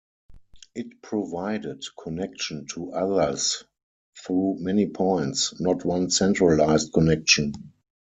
It provided connection to others through many points, not one centralized connection.